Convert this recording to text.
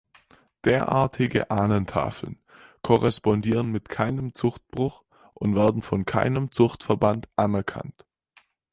Derartige Ahnentafeln korrespondieren mit keinem Zuchtbuch und werden von keinem Zuchtverband anerkannt.